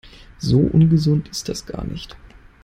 So ungesund ist das gar nicht.